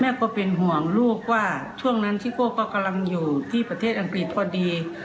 ก็เป็นห่วงลูกว่าช่วงนั้นซิโก้ก็กำลังอยู่ที่ประเทศอังกฤษพอดี